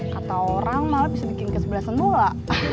kata orang malah bisa bikin kesebelasan bola